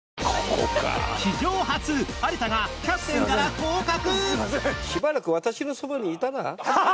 史上初有田がキャプテンから降格アハハハッ！